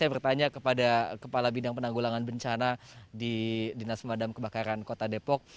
saya bertanya kepada kepala bidang penanggulangan bencana di dinas pemadam kebakaran kota depok